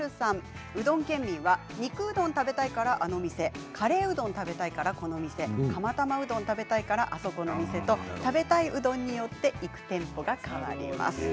うどん県民は肉うどん食べたいからあの店カレーうどん食べたいからこの店釜玉うどん食べたいからあそこの店と食べたいうどんによって行く店舗が変わります。